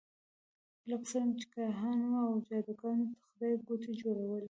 لکه څرنګه چې کاهنانو او جادوګرانو خدایګوټي جوړول.